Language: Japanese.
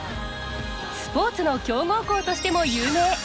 スポーツの強豪校としても有名。